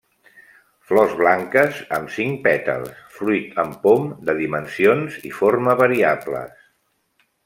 Flors blanques amb cinc pètals, fruit en pom de dimensions i forma variables.